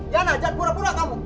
jangan jangan pura pura kamu